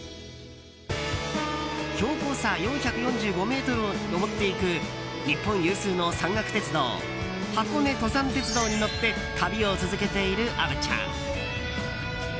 標高差４４５ｍを登っていく日本有数の山岳鉄道箱根登山鉄道に乗って旅を続けている虻ちゃん。